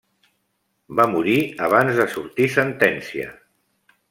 Va morir abans de sortir sentència.